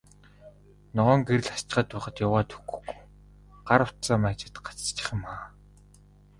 Ногоон гэрэл асчхаад байхад яваад өгөхгүй, гар утсаа маажаад гацчих юм аа.